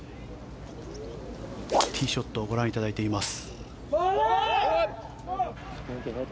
ティーショットをご覧いただいています。